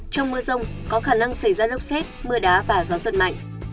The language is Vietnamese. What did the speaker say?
trong mưa rông có khả năng xảy ra lốc xét mưa đá và gió giật mạnh